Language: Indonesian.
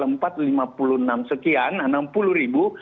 empat lima puluh enam sekian enam puluh ribu